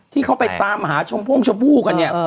ที่เขาไปตามหาชมพ่วงชมพู่กันเนี่ย